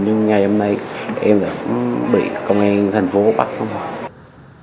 nhưng ngày hôm nay em đã bị công an thành phố bắt lắm rồi